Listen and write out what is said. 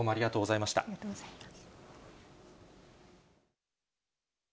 ありがとうございます。